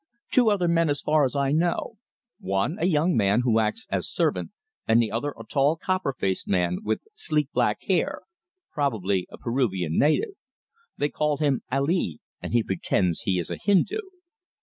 "Two other men, as far as I know. One, a young man, who acts as servant, and the other, a tall, copper faced man with sleek black hair probably a Peruvian native. They call him Ali, and he pretends he is a Hindu."